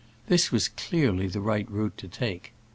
This was clearly the right route to take.